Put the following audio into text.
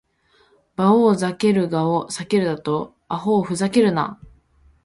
バオウ・ザケルガを避けるだと！アホウ・フザケルナ！